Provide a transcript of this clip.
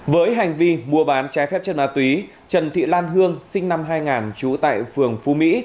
với hành vi mua bán trái phép chất ma túy trần thị lan hương sinh năm hai nghìn trú tại phường phú mỹ